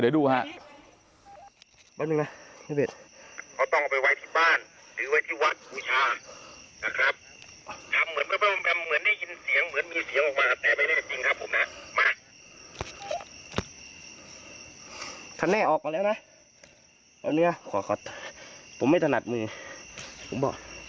เดี๋ยวดูครับ